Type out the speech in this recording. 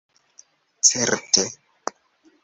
Certe!